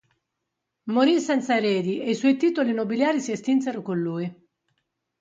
Morì senza eredi ed i suoi titoli nobiliari si estinsero con lui.